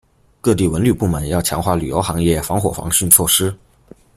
各地文旅部门要强化旅游行业防火防汛措施